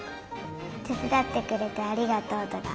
「てつだってくれてありがとう」とか。